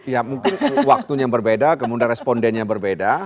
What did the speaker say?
ya mungkin waktunya berbeda kemudian respondennya berbeda